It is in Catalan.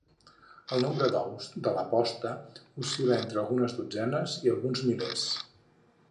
El nombre d'ous de la posta oscil·la entre algunes dotzenes i alguns milers.